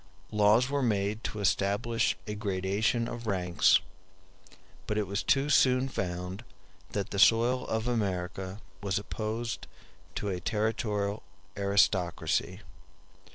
Laws were made to establish a gradation of ranks; but it was soon found that the soil of America was opposed to a territorial aristocracy.